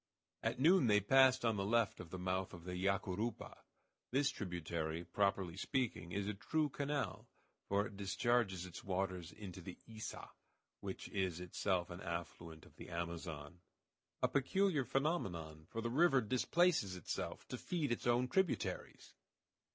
At noon they passed on the left the mouth of the Yacurupa. This tributary, properly speaking, is a true canal, for it discharges its waters into the Iça, which is itself an affluent of the Amazon. A peculiar phenomenon, for the river displaces itself to feed its own tributaries!